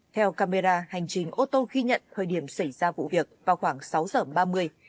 theo camera hành trình ô tô ghi nhận thời điểm xảy ra vụ việc vào khoảng sáu giờ ba mươi